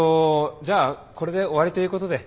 じゃあこれで終わりということで。